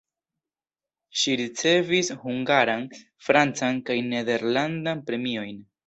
Ŝi ricevis hungaran, francan kaj nederlandan premiojn.